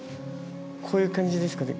こういう感じですかね。